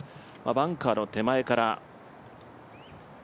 バンカーの手前から。